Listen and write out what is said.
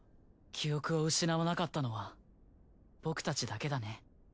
記憶を失わなかったのは僕たちだけだね。